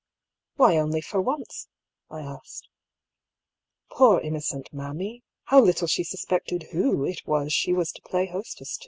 " Why only for once ?" I asked. Poor innocent mammy ! how little she suspected who it was she was to play hostess to.